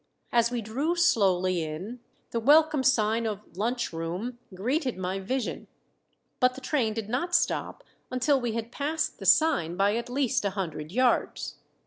As we drew slowly in the welcome sign of "LUNCH ROOM" greeted my vision; but the train did not stop until we had passed the sign by at least a hundred yards.